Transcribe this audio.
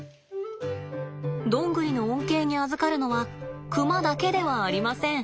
どんぐりの恩恵にあずかるのはクマだけではありません。